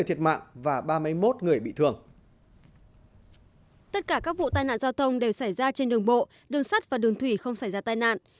tất cả các vụ tai nạn giao thông đều xảy ra trên đường bộ đường sắt và đường thủy không xảy ra tai nạn